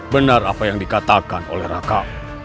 benar apa yang dikatakan oleh raka